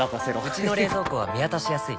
うちの冷蔵庫は見渡しやすい